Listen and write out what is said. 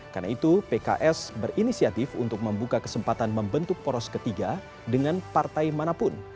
karena itu pks berinisiatif untuk membuka kesempatan membentuk poros ketiga dengan partai manapun